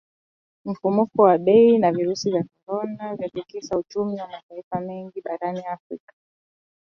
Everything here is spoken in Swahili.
Mfumuko wa Bei na virusi vya Korona vya tikisa uchumi wa mataifa mengi barani Afrika